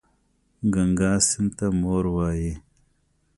ګنګا سیند ته مور وايي.